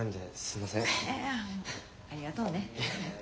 いやありがとうね。